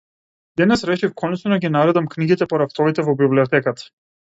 Денес решив конечно да ги наредам книгите по рафтовите во библиотеката.